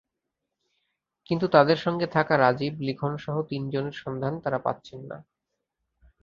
কিন্তু তাঁদের সঙ্গে থাকা রাজীব, লিখনসহ তিন জনের সন্ধান তাঁরা পাচ্ছেন না।